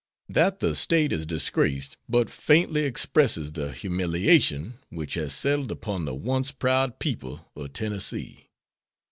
That the State is disgraced but faintly expresses the humiliation which has settled upon the once proud people of Tennessee.